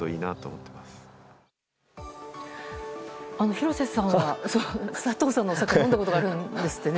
廣瀬さんは佐藤さんのお酒を飲んだことがあるんですってね。